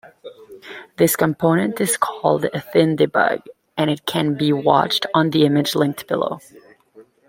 This component is called thinDebug and can be watched on the image linked below.